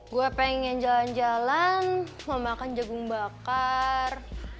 gue pengen jalan jalan mau makan jagung bakar